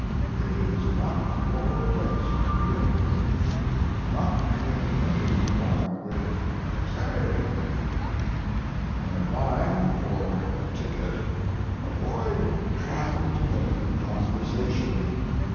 It is not your place to begin. Do not begin any remark with "Say." When applying for a ticket avoid trying to make conversation.